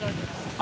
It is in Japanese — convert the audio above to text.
あ！